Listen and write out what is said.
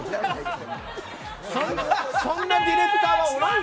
そんなディレクターはおらん。